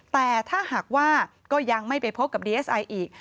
แต่ถ้าหากว่าก็ยังไม่ไปพบกับดีเอสไออีก